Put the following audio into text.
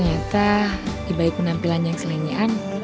kita di baik penampilan yang selingian